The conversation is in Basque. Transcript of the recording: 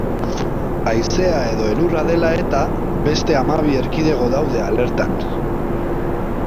Haizea edo elurra dela eta beste hamabi erkidego daude alertan.